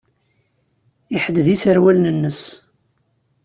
Iḥedded iserwalen-nnes.